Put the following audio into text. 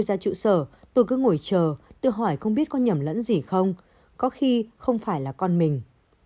tôi ra trụ sở tôi cứ ngồi chờ tôi hỏi không biết có nhầm lẫn gì không có khi không phải là con mình